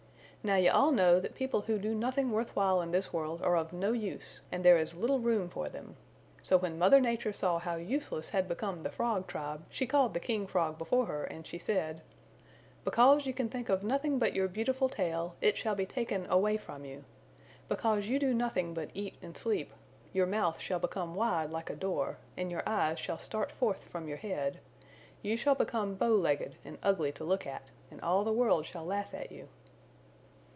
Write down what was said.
"Now you all know that people who do nothing worth while in this world are of no use and there is little room for them. So when Mother Nature saw how useless had become the Frog tribe she called the King Frog before her and she said: "'Because you can think of nothing but your beautiful tail it shall be taken away from you. Because you do nothing but eat and sleep your mouth shall become wide like a door, and your eyes shall start forth from your head. You shall become bow legged and ugly to look at, and all the world shall laugh at you.'